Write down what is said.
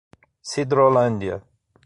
Sidrolândia